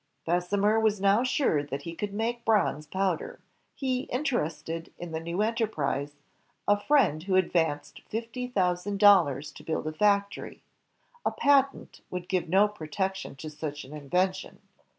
Bessemer was now sure that he could make bronze powder. He interested in the new enterprise a friend who advanced fifty thousand dollars to build a factory. A patent would give no protection to such an invention.